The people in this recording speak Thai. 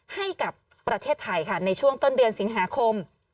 ให้กับประเทศไทยค่ะในช่วงต้นเดือนสิงหาคม